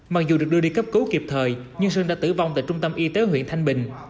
mặc dù được đưa đi cấp cứu kịp thời nhưng sương đã tử vong tại trung tâm y tế huyện thanh bình